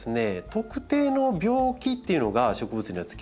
特定の病気っていうのが植物にはつきます種類によって。